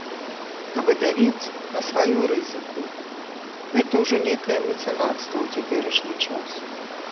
А выдавец на сваю рызыку, гэта ўжо нейкае мецэнацтва ў цяперашні час.